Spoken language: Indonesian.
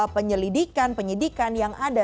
penyelidikan penyidikan yang ada